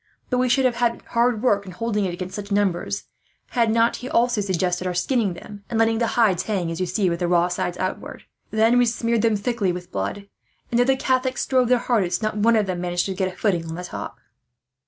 But we should have had hard work in holding it, against such numbers, had he not also suggested our skinning them, and letting the hides hang as you see, with the raw sides outwards. Then we smeared them thickly with blood and, though the Catholics strove their hardest, not one of them managed to get a footing on the top."